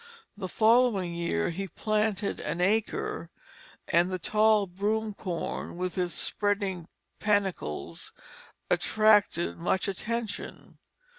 The following year he planted an acre; and the tall broom corn with its spreading panicles attracted much attention.